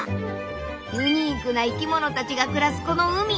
ユニークな生き物たちが暮らすこの海